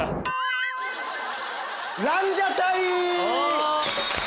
ランジャタイ！